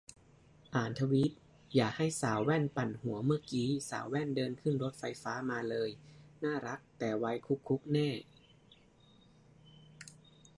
อ่านทวีตอย่าให้สาวแว่นปั่นหัวเมื่อกี๊ สาวแว่นเดินขึ้นรถไฟฟ้ามาเลย น่ารัก แต่วัยคุกคุกแน่